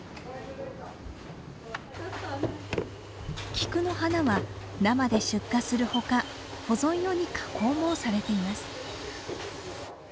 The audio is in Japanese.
菊の花は生で出荷する他保存用に加工もされています。